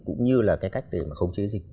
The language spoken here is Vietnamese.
cũng như là cái cách để không chế dịch